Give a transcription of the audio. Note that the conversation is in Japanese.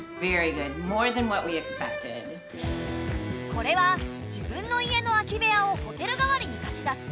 これは自分の家の空き部屋をホテル代わりに貸し出す民泊。